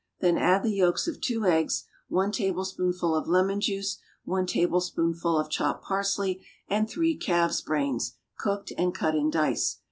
Then add the yolks of two eggs, one tablespoonful of lemon juice, one tablespoonful of chopped parsley and three calves' brains, cooked, and cut in dice.